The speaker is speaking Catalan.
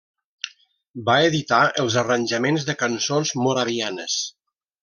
Va editar els arranjaments de cançons moravianes.